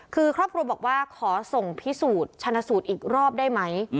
คือครอบครัวบอกว่าขอส่งพิสูจน์ชนะสูตรอีกรอบได้ไหม